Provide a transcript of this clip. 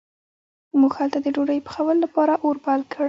موږ هلته د ډوډۍ پخولو لپاره اور بل کړ.